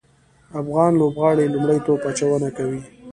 افغان لوبغاړي لومړی توپ اچونه کوي